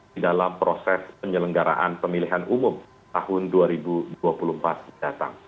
di dalam proses penyelenggaraan pemilihan umum tahun dua ribu dua puluh empat mendatang